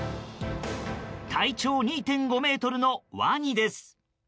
体長２．５ｍのワニです。